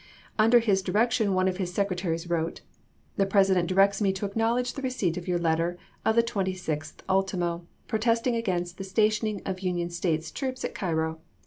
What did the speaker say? Under his direc tion one of his secretaries wrote :" The President directs me to acknowledge the receipt of your letter of the 26th ultimo, protesting against the stationing of United States troops at Cairo.